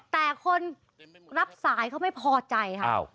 แต่คนรับสายเขาไม่พอใจค่ะ